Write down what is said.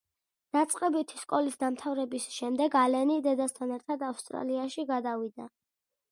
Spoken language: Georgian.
დაწყებითი სკოლის დამთავრების შემდეგ, ალენი დედასთან ერთად ავსტრალიაში გადავიდა.